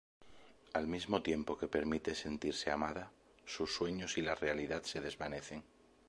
Al mismo tiempo que permite sentirse amada, sus sueños y la realidad se desvanecen.